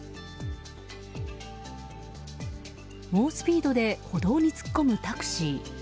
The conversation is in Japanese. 猛スピードで歩道に突っ込むタクシー。